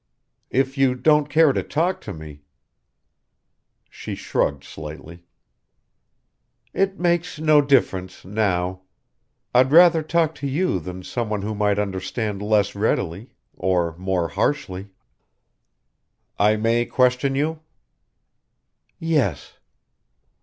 "If you don't care to talk to me " She shrugged slightly. "It makes no difference now. I'd rather talk to you than someone who might understand less readily or more harshly." "I may question you?" "Yes."